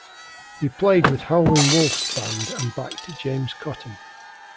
He played with Howlin' Wolf's band and backed James Cotton.